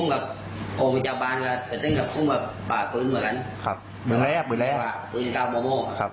ก็ผมคืนเข้าโมโม